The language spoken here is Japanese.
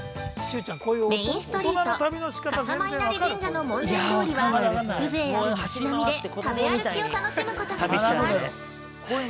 メインストリート、笠間稲荷神社の門前通りは風情ある町並みで食べ歩きを楽しむことができます。